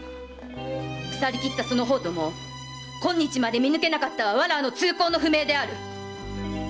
腐りきったその方どもを今日まで見抜けなかったはわらわの痛恨の不明である！